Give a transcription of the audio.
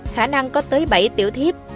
khả năng có tới bảy tiểu thiếp